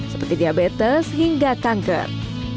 seperti diabetes hingga kanker